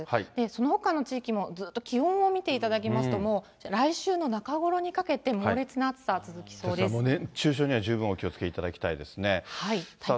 そのほかの地域も気温を見ていただきますと、もう来週の中ごろにかけて、猛烈な暑さ、熱中症には十分お気をつけいただきたいですね。